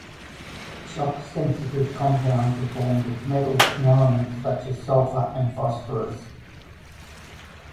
Shock-sensitive compounds are formed with metals and elements such as sulfur and phosphorus.